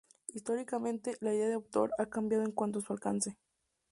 Históricamente, la idea de autor ha cambiado en cuanto a su alcance.